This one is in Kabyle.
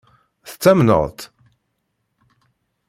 Tettamneḍ-tt?